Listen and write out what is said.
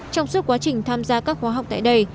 trong suốt quá trình tham gia các khóa học tại đây